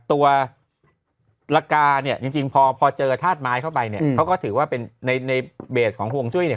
ตัวละกาเนี่ยจริงพอเจอธาตุไม้เข้าไปเนี่ยเขาก็ถือว่าเป็นในเบสของห่วงจุ้ยเนี่ย